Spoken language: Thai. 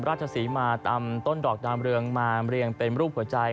ราชศรีมานำต้นดอกดามเรืองมาเรียงเป็นรูปหัวใจ